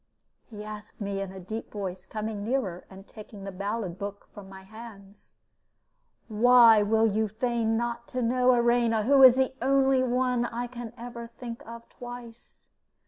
he asked me, in a deep voice, coming nearer, and taking the ballad book from my hands. "Why will you feign not to know, Erema, who is the only one I can ever think of twice?